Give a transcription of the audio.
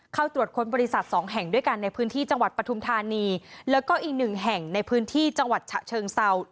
เข้าตรวจค้นบริษัทสองแห่งด้วยกันในพื้นที่จังหวัดปฐุมธานีแล้วก็อีกหนึ่งแห่งในพื้นที่จังหวัดฉะเชิงเศร้า